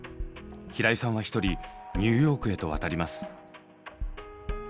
平井さんは１人二ューヨークへと渡ります。